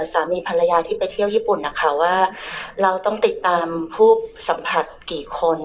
สามีภรรยาที่ไปเที่ยวญี่ปุ่นนะคะว่าเราต้องติดตามผู้สัมผัสกี่คน